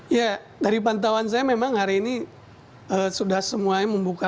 ya dari pantauan saya memang hari ini sudah semuanya membuka